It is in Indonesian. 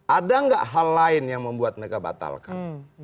ada nggak hal lain yang membuat mereka batalkan